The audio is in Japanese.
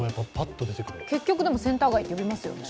結局、センター街って呼びますよね。